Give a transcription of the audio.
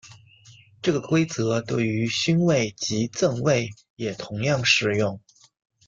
这个规则对于勋位及赠位也同样适用。